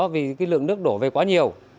vì cái lượng nước đổ về quá nhiều